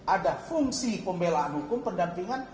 ada fungsi pembelaan hukum pendampingan